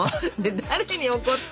誰に怒った？